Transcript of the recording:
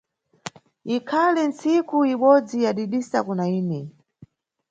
Ikhali nntsiku ibodzi yadidisa kuna ine.